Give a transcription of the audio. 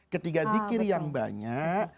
ketika zikir yang banyak